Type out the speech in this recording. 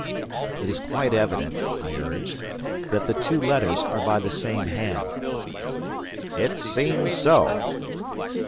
"It is quite evident," I urged, "that the two letters are by the same hand." "It seems so."